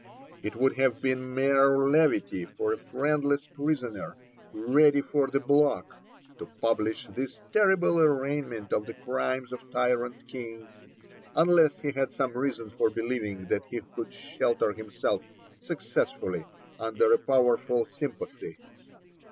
It would have been mere levity for a friendless prisoner, ready for the block, to publish this terrible arraignment of the crimes of tyrant kings, unless he had some reason for believing that he could shelter himself successfully under a powerful sympathy.